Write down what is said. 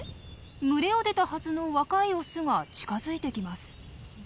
群れを出たはずの若いオスが近づいてきます。